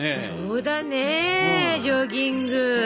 そうだねジョギング。